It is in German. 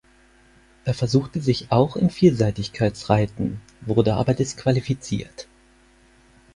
Er versuchte sich auch im Vielseitigkeitsreiten, wurde aber disqualifiziert.